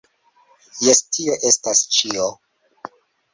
Jes tio estas ĉio!